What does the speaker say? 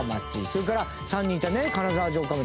それから３人いたね金沢城下町。